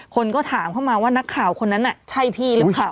คนก็ถามเข้ามาว่านักข่าวคนนั้นน่ะใช่พี่หรือเปล่า